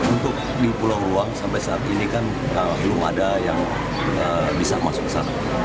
untuk di pulau ruang sampai saat ini kan belum ada yang bisa masuk ke sana